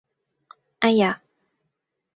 「哎呀」